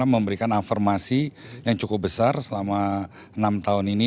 memberikan afirmasi yang cukup besar selama enam tahun ini